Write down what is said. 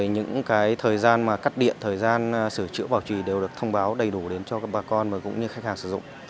những thời gian cắt điện thời gian sửa chữa bảo trì đều được thông báo đầy đủ đến cho bà con và cũng như khách hàng sử dụng